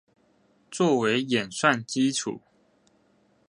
做為驗算基礎